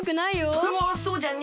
それはそうじゃな。